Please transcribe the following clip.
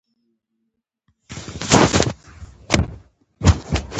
له زندانه يې وايست.